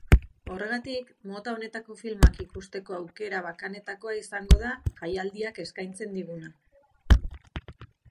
Horregatik, mota honetako filmak ikusteko aukera bakanetakoa izango da jaialdiak eskaintzen diguna.